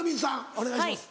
お願いします。